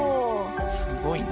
すごいな。